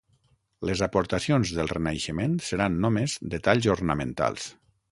Les aportacions del renaixement seran només detalls ornamentals.